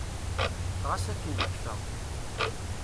Ɣas akken tekkfa.